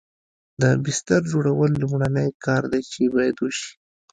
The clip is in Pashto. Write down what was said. د بستر جوړول لومړنی کار دی چې باید وشي